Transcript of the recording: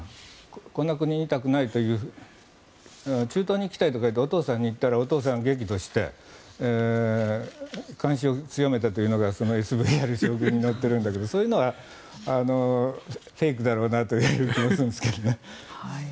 こんな国にいたくないと中東に行きたいってお父さんに言ったらお父さん、激怒して関心を強めたというのがＳＶＲ将軍に載ってるんだけどそういうのはフェイクだろうなという気がするんですが。